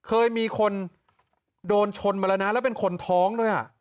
เคยมีคนโดนชนมาแล้วนะแล้วเป็นคนท้องด้วย